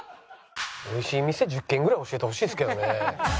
美味しい店１０軒ぐらい教えてほしいですけどね。